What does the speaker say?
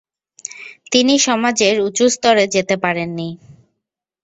তিনি সমাজের উচুস্তরে যেতে পারেননি।